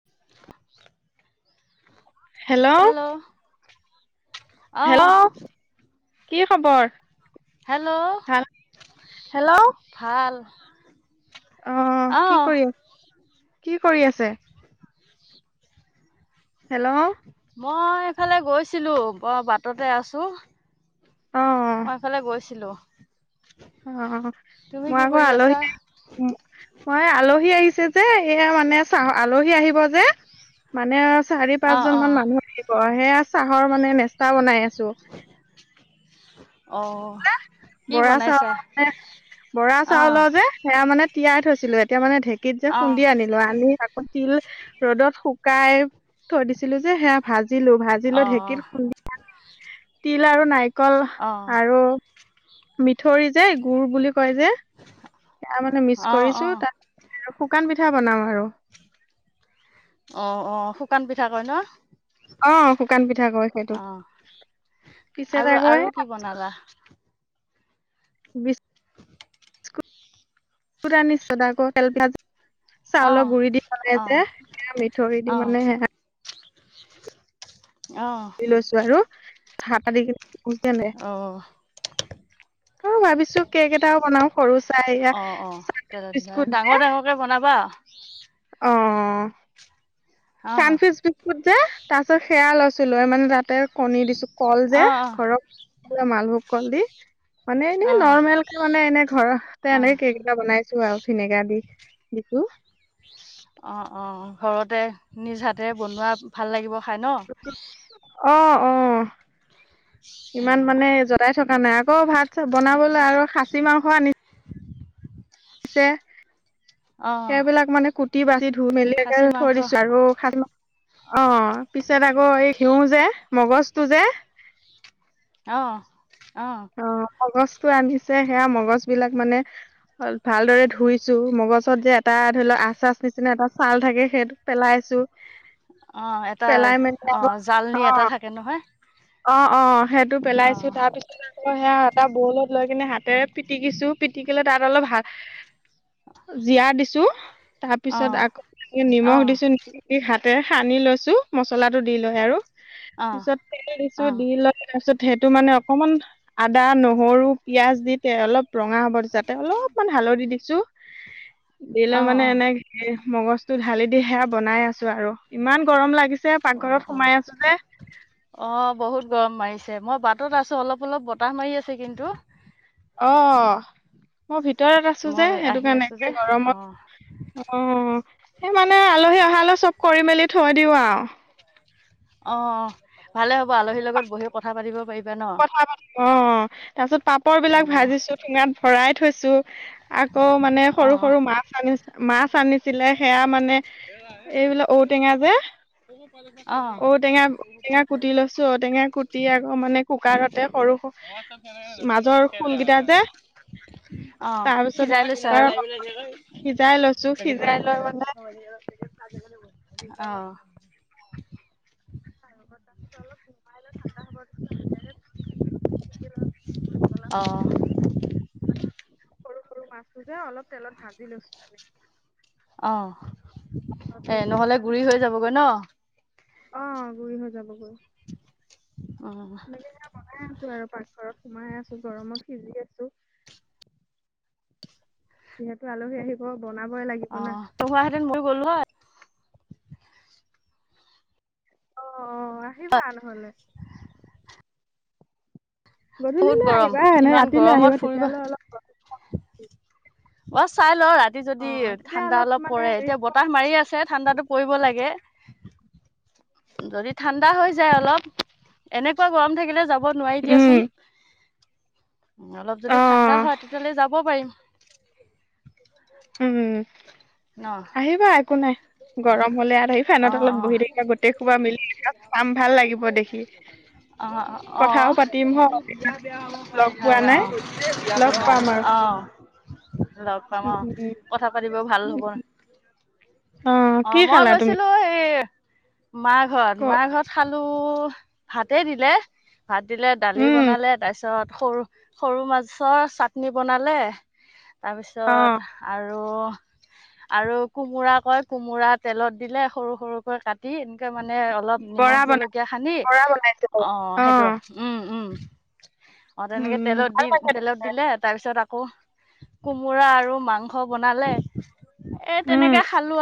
[unintelligible] Hello. অহ। Hello কি খবৰ? হেল্ল', ভাল হেল্ল' ভাল। অ কি অঁ কৰি আ, কি কৰি আছে? হেল্ল'। মই এইফালে গৈছিলোঁ। বৰ বাটতে আছোঁ। অ মই এইফালে গৈছিলো। অ, তুমি মই কি আকৌ কৰি আলহী আছা আহ মই আলহী আহিছে যে। সেইয়া মানে চাহ, আলহী আহিব। যে। মানে চাৰি অঁ পাঁচজন মান অঁ মানুহ আহিব। সেয়া চাহৰ মানে নেচা বনাই আছো। [unintelligible] [inaudible] কি বৰা বনাইছা চাউলৰ পৰা। বৰা অঁ চাউলৰ যে সেয়া মানে তিয়াই থৈছিলো। এতিয়া মানে ঢেঁকীত যে অঁ খুন্দি আনিলো। আনি তিল ৰ'দত শুকাই থৈ দিছিলো যে, সেয়া ভাজিলো, ভাজিলো অঁ ঢেঁকীত খুন্দি তিল আৰু নাৰিকল অঁ আৰু মিঠই যে, গুড় বুলি কয় যে? সেয়া মানে মিক্স অঁ কৰিছো অঁ তাৰ আৰু শুকান পিঠা বনাম আৰু। অ অ শুকান পিঠা কয় ন? অ শুকান পিঠা কয় সেইটো। অঁ পিছে আৰু তাই কয় আৰু কি বনালা বিচ অৰ্ডাৰ [unintelligible] অঁ চাউলৰ গুৰি দি পিনে অঁ যে, মিঠৰি দি অঁ মানে অঁ লৈছো আৰু হাত অহ। [inaudible] অ ভাবিছো কেক এটাও বনাও সৰু চাইয়া অঁ অঁ [unintelligible] তেলত বিস্কুট যে। ডাঙৰ ডাঙৰকৈ বনাবা অ। অঁ চানকিচ্‌ বিস্কুট যে তাৰপিছত সেয়া লৈছিলো এ মানে তাতে কণী দিছো। কল যে অঁ অঁ ঘৰৰ মালভোগ কল দি মানে এনেই অঁ নৰ্মেলকে মানে, এনে ঘৰহ্‌তে অঁ এনেই কেক্‌ এটা বনাই ছো আৰু ভিনেগা দি দিছো। অঁ, অঁ ঘৰতে, নিজ হাতেৰে বনোৱা ভাল লাগিব খাই ন'? অঁ, অঁ অ ইমান মানে যতাই থ' কা নাই আকৌ ভাত- চাত বনাবলে আৰু খাচী মাংস আনি ছে। অ সেইবিলাক মানে কুটি -বাচি ধুই -মেলি খাচী একেবাৰে থৈ মাংস দিছো আৰু খাচী মাং অঁ, পিছত আকৌ এই ঘিউ যে মগজটো যে অঁ, অঁ অ', মগজটো ৰান্ধিছে। সেয়া মগজ বিলাক মানে, ভালদৰে ধুইছো মগজত যে এটা ধৰি লওক আচ, আচ নিচিনা এটা চাল থাকে সেইটো পেলাইছোঁ। অঁ, এটা অঁ জালনী এটা থাকে নহয়। অঁ, অঁ সেইটো অ পেলাইছোঁ। তাৰপিছতে আকৌ অঁ সেয়া এটা বৌ লগত লৈ কিনে হাতেৰে পিটিকিছোঁ। পিটিকিলে তাত অলপ ভা জীয়া দিছোঁ। তাৰ অ পিছত আকৌ অ নিমখ দিছোঁ। নিমখ দি হাতে সানি লৈছো, মছলাটো দি লৈ আৰু। অঁ পিছত তেল দিছো, দি লৈ তাৰ পিছ্‌ ছত সেইটো মানে অকমান আদা, নহৰু, পিয়াজ দি তে অলপ ৰঙা হ'ব দিছে। যাতে অলপ মান হালধী দিছোঁ। অ অ দিলৈ মানে, এনেকে মগজটো ঢালি দি সেয়া বনাই আছো আৰু ইমান গৰম লাগ্‌ গিছে অ পাকঘৰত অ সোমাই আছো যে। অ বহুত গৰম মাৰিছে। মই বাটত আছো অলপ অলপ বতাহ মাৰি আছে কিন্তু। অঁ, মই ভিতৰত আছো যে মই সেইটো আহি কাৰণে আছো যে একে অ গৰমত অঁ সেই মানে, আলহী অহালৈ চব কৰি মেলি থৈ দিওঁ আও। অঁ, ভালে হ'ব, আলহীৰ লগত বহি কথা পাতিব পাৰি কথা পাতিম। অঁ, তাৰ পিছত পাপৰ অ বিলাক ভাজিছোঁ, ঠুঙাত ভৰাই থৈছোঁ আকৌ মানে, অ সৰু সৰু মাছ আনি, মাছ আনিছিলে। সেয়া মানে এইবিলাক ঔটেঙা [inaudible] অঁ। ঔটেঙা ঔটেঙা [inaudible] কুক্কাৰতে সৰু সু মাজৰ খোলকেইটা যে অঁ, তাৰ পিছত সিজাই সেই লৈছোঁ। আৰু কুকাৰত সিজাই লৈছো সিজাই লৈ মানে [unintelligible] অঁ [unintelligible] তাৰপিছত তলত নমাইলৈ ঠাণ্ডা হ'ব দিছোঁ। হাতেৰে পিতিকি অঁ [unintelligible] সৰু সৰু মাছটো যে অলপ তেলত ভাজি লৈছোঁ মানে। অঁ, তাতে এ নহ'লে গুৰি হৈ যাবগৈ ন'? অঁ, গুৰি হৈ যাবগৈ। অঁহ্‌ সোমাই আছোঁ আৰু পাকঘৰত সোমাই আছোঁ, গৰমত সিজি আছোঁ। যিহেতু আলহী আহিব। বনাবই লাগিব না অঁ, তই কোৱাহেঁতেন মইও গ'লো হ'য়? অঁ, আহিবা নহলে? বহুত গধূলিলৈ গৰম, আহিবা নে, ইমান ৰাতিলৈ গৰমত আহিবা? ফুৰিব তেতিয়ালৈ অলপ গৰমটো কম হ'ব। অঁহ্‌ চাই লওঁ ৰা ৰাতি যদি তেতিয়া ঠাণ্ডা অলপ মানে পৰে। এতিয়া ৰেষ্ট পাম। বতাহ মাৰি আছে ঠাণ্ডাটো পৰিব লাগে। যদি ঠাণ্ডা হৈ যায় অলপ। এনেকুৱা গৰম থাকিলে যাব ক'ব নোৱাৰি উম দিয়াচোন- উ অলপ যদি অ ঠাণ্ডা হয় তেতিয়াহ'লে যাব পাৰিম- উম ন? আহিবা একো নাই- গৰম হলে ইয়াত আহিবা অ', ফেনৰ তলত বহি অ', থাকিবা গোটেই সোবা মিলি চাম ভাল লাগিব দেখি- অ অ কথাও পাতিম হয় বিয়া বিয়া হব প লগ পোৱা নাই বিয়া অ- লগ পাম আৰু [unintelligible] অ লগ উম পাম- উম কথা পাতিব ভাল হব অ অ কি মই খালা তুমি গৈছিলোঁ এই- মা ক ঘৰত মা ঘৰত খালোঁ ভাতে দিলে- ভাত দিলে দালি উম বনালে তাৰ পিছত - পিছত সৰু সৰু মাছৰ চাটনি বনালে- অ তাৰপিছত আৰু আৰু কোমোৰাক- কয় কোমোৰা তেলত দিলে সৰু সৰুকৈ কাটি দি এনেকে মানে অলপ নিমখ বৰা বনাই জলকীয়া সানি বৰা বনাইছে অ সেইটো উম উম অ তেনেকে উম তেলত ভাল দি পাইছে তেলত দিলে তাৰ পিছত আকৌ- কোমোৰা আৰু মাংস বনালে এ উম তেনেকে- খালো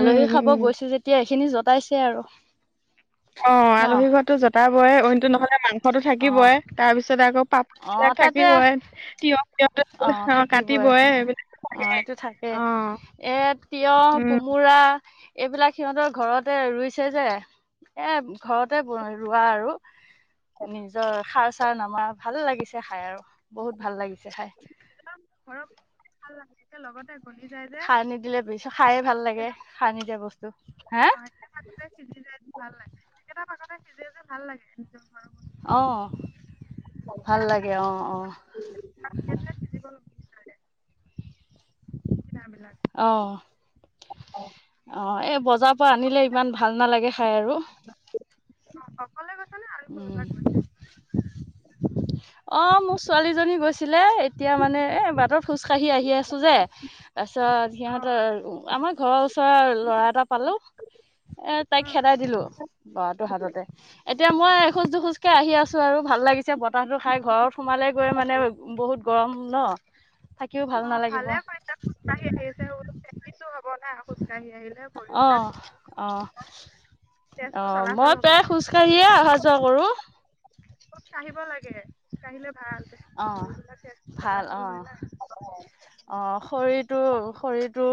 উম খাব উম গৈছোঁ যেতিয়া এইখিনি জতাইছে আৰু- অ ন আলহী ঘৰতো জতাবই অইনতটো নহ'লে মাংস- তো অঁ থাকিবই তাৰ পিছত আকৌ পাত অঁ বিলাক তাতে থাকিবই তিয়হ তি অঁ অ কাট- থাকিবই বয় অঁ বিলাকে সেইটো থাকেই অ- এ তিয়হ, উম কোমোৰা- এইবিলাক সিহঁতৰ ঘৰতে ৰুইছে যে এ ঘৰতে ৰোৱা আৰু- নিজৰ সাৰ চাৰ নামা ভাল লাগিছে খাই আৰু বহুত ভাল লাগিছে খাই- ঘৰক ভাল লাগে লগতে- গলি যায় যে খাৰ নিদিলে বছো খায়ে ভাল লাগে একেটা খাৰ নিদিয়া বস্তু হা- অ একে ভাগতে সিজি যায় যে ভাল লাগে একেটা পাকতে সিজে যে ভাল লাগে নিজ- আহ ভাল কিনা বিলাক লাগে আহ আকৌ আহ াম [unintelligible] অ এই বজাৰৰ পৰা আনিলে ইমান ভাল নালাগে খাই আৰু- অ অকলে গৈছে - উ অ মোৰ ছোৱালীজনী গৈছে- ছিলে এতিয়া মানে এ বাটত খোজকাঢ়ি আহি আছোঁ যে- তাৰপিছত অ সিহঁতৰ আমাৰ ঘৰৰ ওচৰৰ ল'ৰা এটা পালোঁ - এ তাইক উম খেদাই দিলো ল'ৰাটো হাততে- এতিয়া মই এখোজ দুখোজকে আহি আছোঁ আৰু ভাল লাগিছে- পছে বতাহতটো খাই ঘৰত সোমালে গৈ মানে বহুত গৰম ন- থাকিও ভাল অ নালাগিব ভালে কৰিছে খোজকাঢ়ি আহি আছে - ব নাই খোজ কঢ়ি আহিলে অ পৰিবিলাক- অ অ মই প্ৰায় খোজ কাঢ়িয়েই অহা যোৱা কৰোঁ- খোজ কঢ়িব লাগে খোজ কঢ়িলে ভাল অ ভৰি বিলাক তেজ ভাল চলাচল অ হয় না- অ শৰীৰটো শৰীৰটো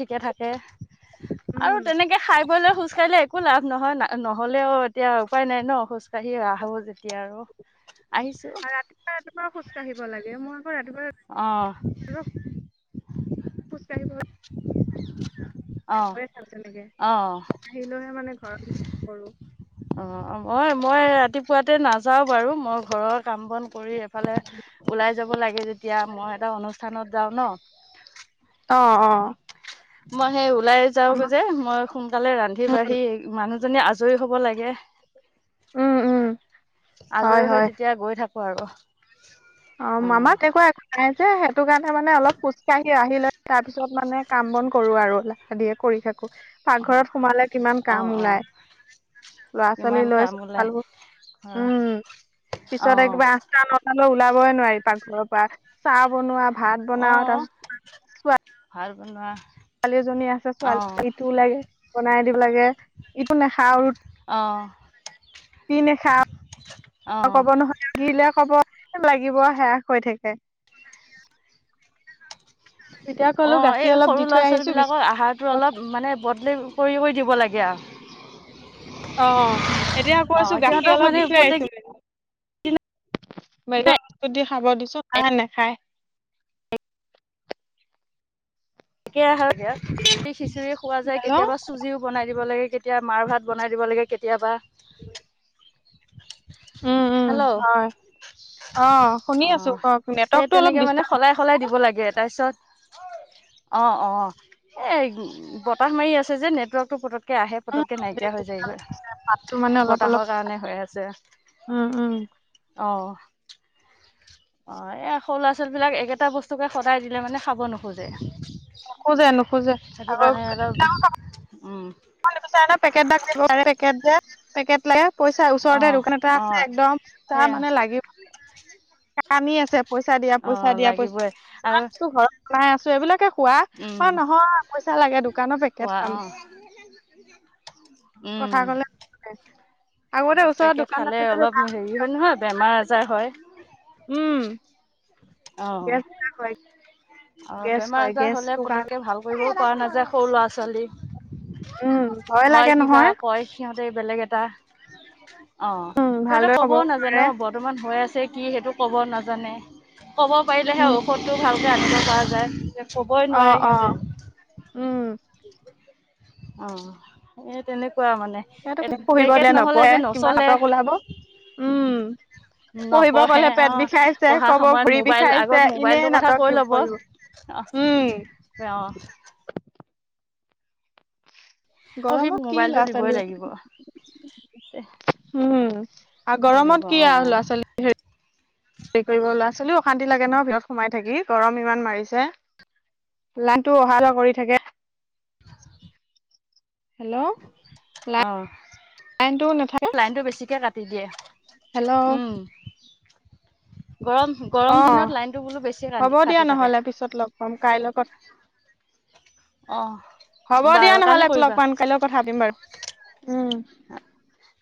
ঠিকে থাকে- উম আৰু তেনেকে খাই বলে খোজ কঢ়িলে একো লাভ নহয় না নহলেও এতিয়া উপায় নাই ন খোজ - খোজ কাঢ়িয়েই আহোঁ যেতিয়া আৰু আহিছোঁ - আৰু ৰাতিপুৱা ৰাতিপুৱা খোজ কঢ়িব লাগে মই- আকৌ ৰাতিপুৱা আহ- অ খোজকাঢ়িব- ঘয় চাাম তেনেকে অ আহিলেহে মানে ঘৰত কৰো- অ মই মই ৰাতিপুৱাতে নাযাও বাৰু মই ঘৰত- কাম বন কৰি এইফালে ওলাই যাব লাগে যেতিয়া মই এটা অনুষ্ঠানত- যাওঁ ন- অ অ- মই সেই ওলাই যাও যে মই সোনকালে ৰান্ধি বাঢ়ি মানুহ জনী আজৰি হ'ব লাগে। উম উম হয় আজৰি হৈ হয় তেতিয়া গৈ থাকো আৰু অ মামা এককুৱা নাই। যে সেইটো কাৰণে মানে অলপ খোজ কঢ়ি আহিলৈ তাৰপিছত মানে কাম বন কৰো আৰুলিয়ে কৰি থাকো। অ পাকঘৰত সোমালে কিমান অ কাম অ ওলাই। লৰা ছোৱালী কিমান লৈ কাম চা ওলাই ভালবোৰ উম অ পিছত একবাৰে আঠটা নটা। ওলাবই নোৱাৰি পাকঘৰৰ পৰা চাহ বনোৱা ভাত বনাও তাৰ পিছত ভাৰ বনোৱা ছোৱালী এজনী আছে অঁ ছোৱালী ইটো লাগে বনাই দিব লাগে ইটো নাখাও ৰুটি অঁ নখা অঁ ক'ব নহয়িলাক হব লাগিব হোস হৈ থাকে এতিয়া ক'লো অ গাখীৰ এই অলপ দি সৰু ল'ৰা থৈ ছোৱালী আহিছো বিলাকৰ বিস্কুট আহাৰতো অলপ মানে বদল কৰি কৰি দিব লাগে আৰু অ এতিয়া অঁ কৈছো গাখীৰ সিহঁতক অলপ মানে দি থৈ প্ৰত্যেক আহিছো বুলি। বেগৰ বস্তু দি খাব দিছো নাহে নেখায়। [inaudible] তে যদি খিচিৰি খোৱা যায় হেল্ল' কেতিয়াবা চুজিও বনাই দিব লাগে। কেতি মাৰ ভাত বনাই দিব লাগে কেতিয়াবা। উম উম হয়। অ শুনি অ আছো কওক এ নেটৱৰ্কটো অলপ তেনেকে মানে ডিষ্টাৰ্ব সলাই সলাই দিব লাগে তাৰপিছত অ অ এই বতাহ মাৰি আছে যে নেটৱৰ্কটো। কৈ আহে পতককৈ নাইকিয়া হৈ যায়গৈ মাতটো মানে অলপ অলপ বতাহৰ কাৰণে হৈ আছে। উম উম অ [inaudible] অ এই সৰু ল'ৰা ছোৱালী বিলাক একেটা বস্তুকে সদাই দিলে মানে খাব নোখোজে। নোখোজে নোখোজে সেইটো আকৌ। কাৰণে অলপ উম [unintelligible] পেকেটে যে পেকেট লাগে। পইচা অ ওচৰতে দোকান এটা অ আছে একদমটা সেয়া মানে লাগিব লাগে। আানি আছে পইচা দিয়া অ পইচা দিয়া পইচা লাগিবই ইমান আৰু বস্তু ঘৰত লাই আছো এইবিলাকে। খোৱা অ উম নহয় পইচা লাগে দোকানৰ পেকেট খোৱা খাম অ উম কথা ক'লে আগতে ওচৰত পেকেট দোকান খালে নাছিলে যে অলপ ভাল হেৰি আছিলে হয় নহয় বেমাৰ আজাৰ হয় উম আহ গেছ বিলাক হয় আৰু গেছ বেমাৰ হয় আজাৰ হলে গেছটো কাৰণে পতককে ভাল কৰিবও পৰা নাযায় সৰু ল'ৰা ছোৱালী লি উম ভয় হয় লাগে কিবা নহয় কয় সিহঁতে বেলেগ এটা অঁ উম সিহঁতে ভালদৰে হ'ব ক'বও নাজানে নোৱাৰে অ বৰ্তমান হৈ আছে কি সেইটো ক'ব নাজানে ক'ব পাৰিলেহে উম ঔষধটো ভালকৈ আনিব পৰা যায় ক'বই অ নোৱাৰে অ সিহঁতে উম অ এ তেনেক কোৱা মানে সিহঁতক পঢ়িব পেকেট দিলে নহলে নপঢ়ে যে কিমান নচলে নাটক ওলাব উম পঢ়িব নপঢ়ে গলে পেট অ বিষাইছে পঢ়া কব সময়ত ভৰি মোবাইল বিষাইছে আগত এনে মোবাইলটোৰ কথা নাটক কৈ কি ল'ব কৰিব আহ উম আহ [unintelligible] [inaudible] অ সি গৰমত কি মোবাইলতটো ল'ৰা দিবই ছোৱালী লাগিব উম আৰু পঢ়িব গৰমত কি অ আৰু ল'ৰা ছোৱালী হে হেৰি কৰিব ল'ৰা ছোৱালীও শান্তি লাগে ন ভিতৰত সোমাই থাকি গৰম ইমান মাৰিছে লান টো অহা যোৱা কৰি থাকে [unintelligible] [inaudible] হেল্ল' আহ কাৰেণ্টটো নাথাকে লাইনটো বেছিকে কাটি দিয়ে, হেল্ল' উম। গৰম গৰম অ দিনত লাইনটো বোলো বেছি হ'ব কাটি দিয়া কাটি থাকে নহ'লে পিছত লগ পাম কাইলৈ ক- অ হ'ব দিয়া বাৰু নহলে কালি লগ কৰিবা পাম কাইলৈও কথা পাতিম বাৰু। উম